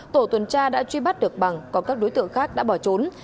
tổ tuần tra đã truy bắt được bằng còn các đối tượng khác đã bỏ trốn